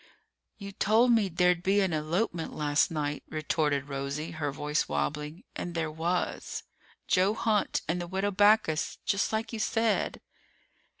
"You told me there'd be an elopement last night," retorted Rosie, her voice wobbling, "and there was. Joe Hunt and the Widow Backus. Just like you said!"